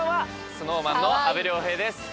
ＳｎｏｗＭａｎの阿部亮平です。